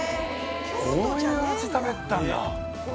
こういう味食べてたんだ。